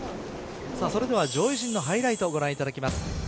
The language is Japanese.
それでは上位陣のハイライトをご覧いただきます。